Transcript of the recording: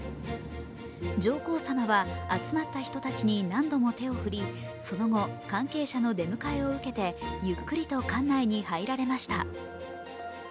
上皇さまは集まった人たちに何度も手を振りその後関係者の出迎えを受けてゆっくりと館内に入られました。